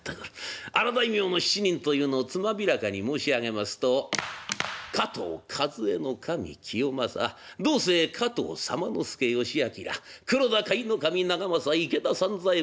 荒大名の７人というのをつまびらかに申し上げますと加藤主計頭清正同姓加藤左馬助嘉明黒田甲斐守長政池田三左衛門